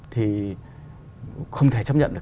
thì không thể chấp nhận được